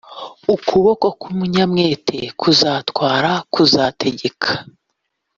" ukuboko k'umunyamwete kuzatwara(kuzategeka)